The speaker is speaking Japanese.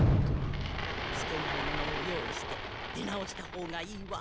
すけない布を用意して出直したほうがいいわ。